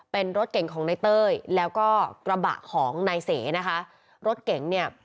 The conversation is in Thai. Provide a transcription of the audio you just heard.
เป็นรถเก่งของนายเต้ยแล้วก็กระบะของนายเสนะคะรถเก๋งเนี่ย